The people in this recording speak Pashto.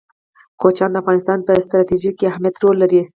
کوچیان د افغانستان په ستراتیژیک اهمیت کې رول لري.